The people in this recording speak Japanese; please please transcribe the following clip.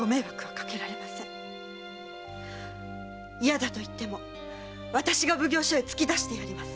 嫌だと言ってもわたしが奉行所へ突き出してやります！